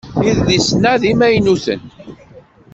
Idlisen-a d imaynuten.